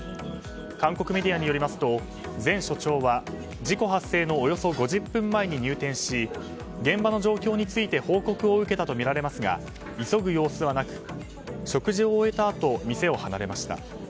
韓国メディアによりますと前署長は事故発生のおよそ５０分前に入店し現場の状況について報告を受けたとみられますが急ぐ様子はなく食事を終えたあと店を離れました。